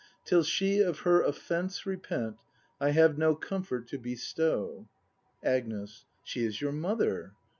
] Till she of her offence repent I have no comfort to bestow. Agnes. She is vour mother!